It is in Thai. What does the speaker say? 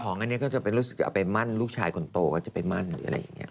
อันนี้ก็จะไปรู้สึกจะเอาไปมั่นลูกชายคนโตว่าจะไปมั่นหรืออะไรอย่างนี้